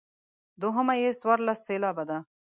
دوهمه یې څوارلس سېلابه ده.